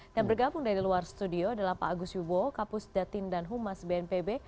dan bergabung dari luar studio adalah pak agus yubowo kapus datin dan humas bnpb